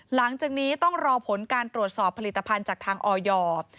หลังจากนี้ต้องรอผลการตรวจสอบผลิตภัณฑ์จากทางออยอร์